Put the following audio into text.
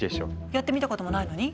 やってみたこともないのに？